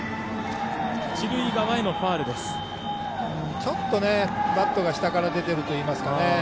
ちょっとね、バットが下から出てるといいますか。